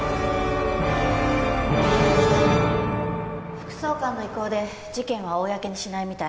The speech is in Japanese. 副総監の意向で事件は公にしないみたい。